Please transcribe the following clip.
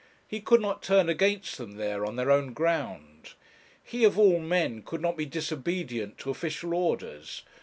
He could not turn against them there, on their own ground. He, of all men, could not be disobedient to official orders.